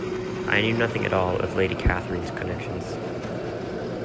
I knew nothing at all of Lady Catherine's connections.